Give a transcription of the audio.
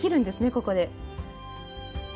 ここで。